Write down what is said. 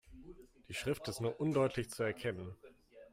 Die Schrift ist nur undeutlich zu erkennen.